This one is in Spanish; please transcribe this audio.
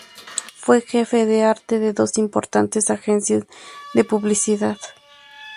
Fue "jefe de arte" de dos importantes agencias de publicidad.